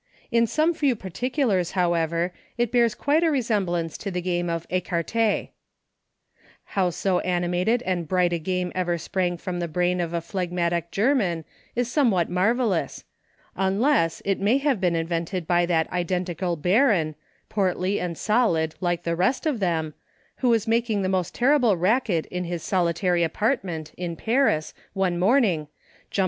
In some few particulars, however, it bears quite a resemblance to the game of Ecarte. How so animated and bright a game ever sprang from the brain of a phlegmatic German is somewhat marvellous — unless, it may have been invented by that identical Baron, portly and solid like the rest of them, who was making the most terrible racket in his soli tary apartment, in Paris, one morning, jump 28 EUCHRE.